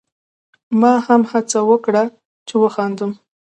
ما هم هڅه وکړه چې وخاندم.